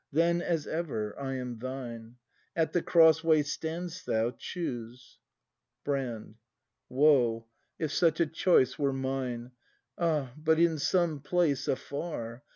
Then, as ever, I am thine; At the cross way stand 'st thou: choose! Brand. Woe, if such a choice were mine. Ah, but in some place afar.